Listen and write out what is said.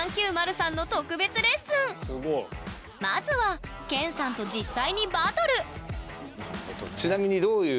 まずはＫＥＮさんと実際にバトル！